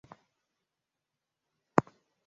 Fahamu zilipomrejea akajikuta amelala sakafuni